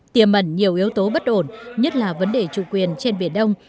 tiềm mẩn nhiều yếu tố bất ổn nhất là vấn đề chủ quyền trên biển đông